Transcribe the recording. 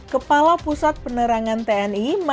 kepala pusat penerangan tni